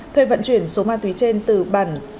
thuê vận chuyển số ma túy trên từ bản